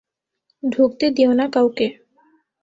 ঢুকতে দিওনা কাওকে।